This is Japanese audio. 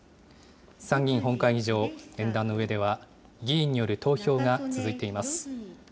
参議院本会議場、演壇の上では、議員による投票が続いています。